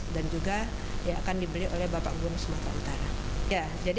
dan juga penanganan covid sembilan belas